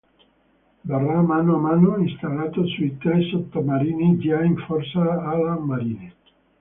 Verrà a mano a mano installato sui tre sottomarini già in forza alla "Marine".